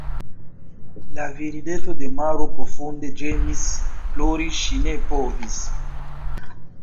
La virineto de maro profunde ĝemis, plori ŝi ne povis.